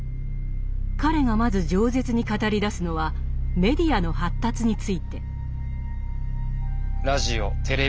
彼がまず饒舌に語りだすのはメディアの発達について。